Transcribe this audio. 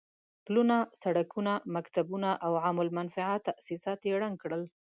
پلونه، سړکونه، مکتبونه او عام المنفعه تاسيسات يې ړنګ کړل.